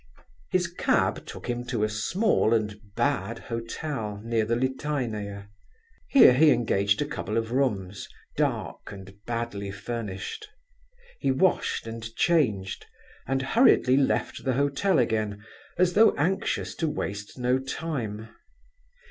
His cab took him to a small and bad hotel near the Litaynaya. Here he engaged a couple of rooms, dark and badly furnished. He washed and changed, and hurriedly left the hotel again, as though anxious to waste no time.